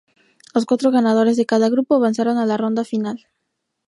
Los cuatro ganadores de cada grupo avanzaron a la ronda final.